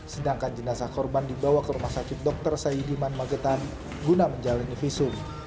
sedangkan jenazah korban dibawa ke rumah sakit dr saidiman magetan guna menjalani visum